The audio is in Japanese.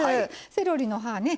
セロリの葉ね